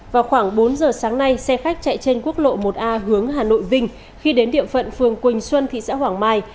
vào khoảng bốn giờ sáng nay xe khách chạy trên quốc lộ một a hướng hà nội vinh khi đến địa phận phường quỳnh xuân thị xã hoàng mai